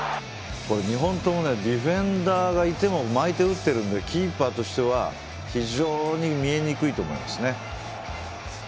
２本ともディフェンダーがいても巻いて打っているんでキーパーとしては非常に見えにくいと思います。